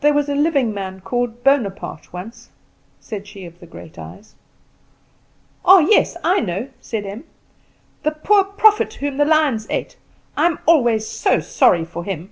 "There was a living man called Bonaparte once," said she of the great eyes. "Ah yes, I know," said Em "the poor prophet whom the lions ate. I am always so sorry for him."